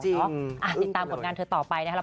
จริงอึ้งไปเลยติดตามบทงานเธอต่อไปนะครับ